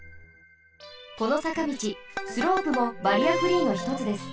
このさかみちスロープもバリアフリーのひとつです。